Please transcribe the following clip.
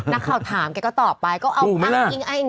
นักข่าวถามแกก็ตอบไป